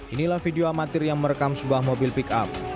inilah video amatir yang merekam sebuah mobil pick up